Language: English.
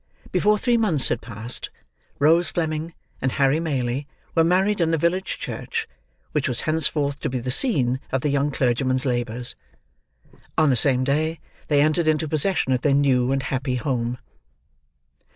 Before three months had passed, Rose Fleming and Harry Maylie were married in the village church which was henceforth to be the scene of the young clergyman's labours; on the same day they entered into possession of their new and happy home.